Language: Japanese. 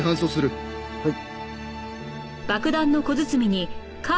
はい。